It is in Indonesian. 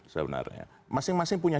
sebenarnya masing masing punya